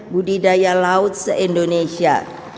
budidaya laut se indonesia